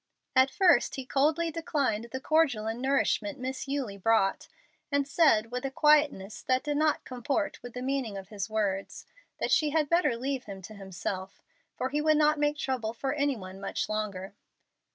At first he coldly declined the cordial and nourishment Miss Eulie brought, and said, with a quietness that did not comport with the meaning of his words, that she had better leave him to himself, for he would not make trouble for any one much longer.